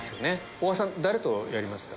大橋さん誰とやりますか？